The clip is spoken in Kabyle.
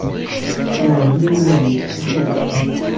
Iɛǧeb-iyi wagi. Ad t-awiɣ.